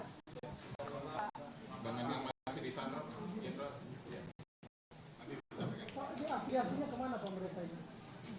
nanti bisa pakai